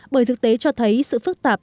bởi thực tế cho thấy sự phức tạp